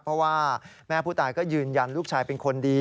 เพราะว่าแม่ผู้ตายก็ยืนยันลูกชายเป็นคนดี